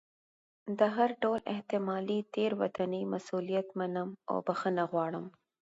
د هر ډول احتمالي تېروتنې مسؤلیت منم او بښنه غواړم.